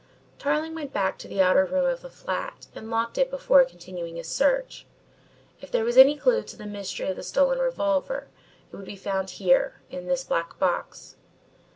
Tarling went back to the outer door of the flat and locked it before continuing his search. If there was any clue to the mystery of the stolen revolver it would be found here, in this black box.